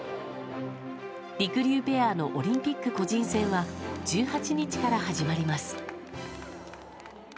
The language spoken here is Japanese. りくりゅうペアのオリンピック個人戦は、１８日から始まります。